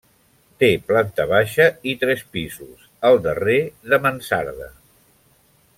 Té planta baixa i tres pisos, el darrer de mansarda.